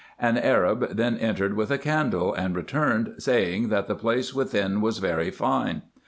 An Arab then entered with a candle, and returned saying, that the place within was very fine.